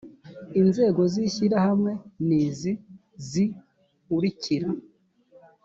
inzego z ishyirahamwe ni izi ziurikira